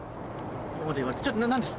ちょっと何です？